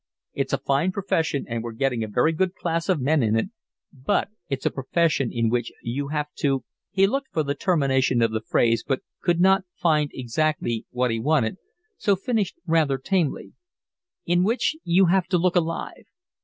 It's a fine profession, and we're getting a very good class of men in it, but it's a profession in which you have to…" he looked for the termination of his phrase, but could not find exactly what he wanted, so finished rather tamely, "in which you have to look alive."